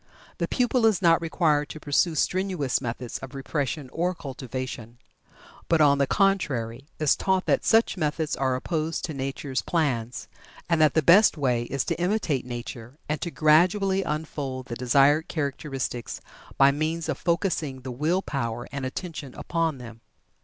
The pupil is not required to pursue strenuous methods of repression or cultivation, but, on the contrary, is taught that such methods are opposed to nature's plans, and that the best way is to imitate nature and to gradually unfold the desired characteristics by means of focusing the will power and attention upon them.